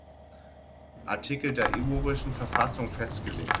Artikel der ivorischen Verfassung festgelegt.